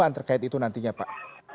yang terkait itu nantinya pak